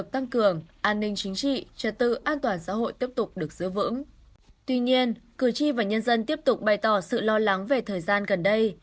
tuy nhiên cử tri và nhân dân tiếp tục bày tỏ sự lo lắng về thời gian gần đây